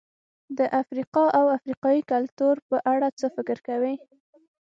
د افریقا او افریقایي کلتور په اړه څه فکر کوئ؟